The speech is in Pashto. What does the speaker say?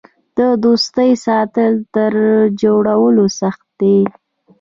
د دوستۍ ساتل تر جوړولو سخت دي.